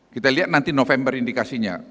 kita lihat nanti november indikasinya